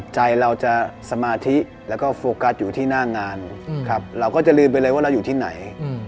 ใจเราจะสมาธิแล้วก็โฟกัสอยู่ที่หน้างานครับเราก็จะลืมไปเลยว่าเราอยู่ที่ไหน